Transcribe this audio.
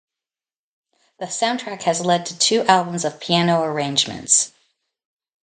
The soundtrack has led to two albums of piano arrangements.